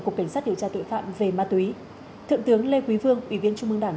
cục cảnh sát điều tra tội phạm về ma túy thượng tướng lê quý vương ủy viên trung mương đảng